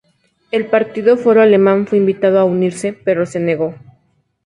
El Partido Foro Alemán fue invitado a unirse, pero se negó.